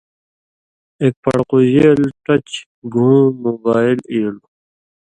اېک پڑقُژېل ٹچ گُھوں موبائل ایلوۡ۔